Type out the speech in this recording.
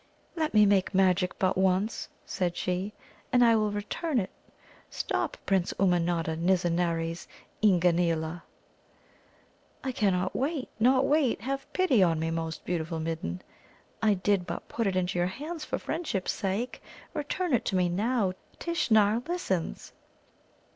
"Let me make magic but once," said she, "and I will return it. Stop, Prince Ummanodda Nizzanares Eengeneela!" "I cannot wait, not wait. Have pity on me, most beautiful Midden. I did but put it into your hands for friendship's sake. Return it to me now. Tishnar listens."